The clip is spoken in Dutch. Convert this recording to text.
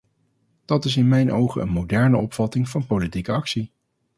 Dat is in mijn ogen een moderne opvatting van politieke actie.